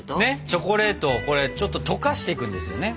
チョコレートをこれちょっと溶かしていくんですよね。